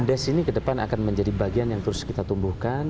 bumdes ini kedepan akan menjadi bagian yang terus kita tumbuhkan